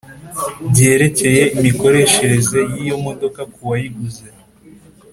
byerekeye imikoreshereze y’iyo modoka kuwayiguze